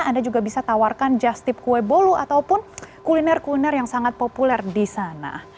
anda juga bisa tawarkan just tip kue bolu ataupun kuliner kuliner yang sangat populer di sana